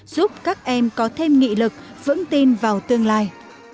giúp các em có thêm nghị lực vững tin vào tương lai